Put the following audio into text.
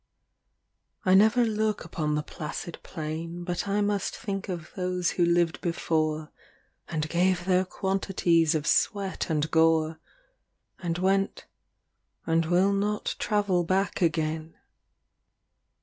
LV I never look upon the placid plain But I must think of those who lived before And gave their quantities of sweat and gore, And went and will not travel back again.